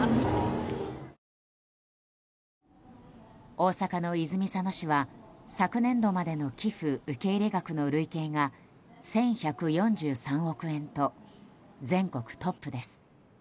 大阪の泉佐野市は昨年度までの寄付受け入れ額の累計が１１４３億円と全国トップです。